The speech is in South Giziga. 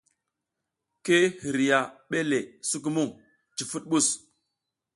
Ki hiriya ɓe le sukumuƞ, cufuɗ mɓus.